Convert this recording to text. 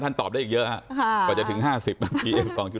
ท่านตอบได้อีกเยอะครับก็จะถึง๕๐ภาพปี๒๕